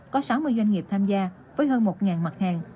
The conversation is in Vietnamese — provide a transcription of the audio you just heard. có sáu mươi doanh nghiệp tham gia với hơn một mặt hàng